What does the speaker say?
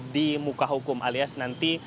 di muka hukum alias nanti